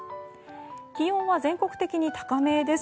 気温は全国的に高めです。